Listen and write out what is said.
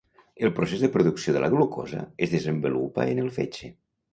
El procés de producció de la glucosa es desenvolupa en el fetge.